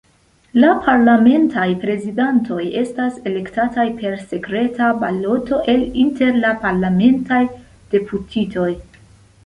La parlamentaj prezidantoj estas elektataj per sekreta baloto el inter la parlamentaj deputitoj.